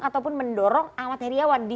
ataupun mendorong amat heriawan di